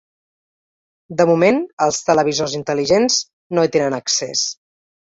De moment, els televisors intel·ligents no hi tenen accés.